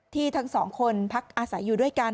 ทั้งสองคนพักอาศัยอยู่ด้วยกัน